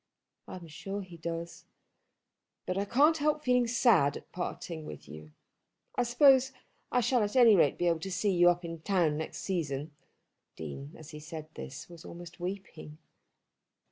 "I am sure he does." "But I can't help feeling sad at parting with you. I suppose I shall at any rate be able to see you up in town next season." The Dean as he said this was almost weeping.